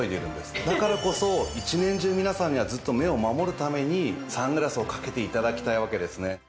だからこそ一年中皆さんにはずっと目を守るためにサングラスをかけて頂きたいわけですね。